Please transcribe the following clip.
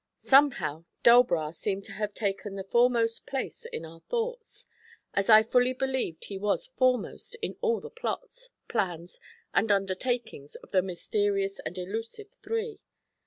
Somehow, Delbras seemed to have taken the foremost place in our thoughts, as I fully believed he was foremost in all the plots, plans and undertakings of the mysterious and elusive three.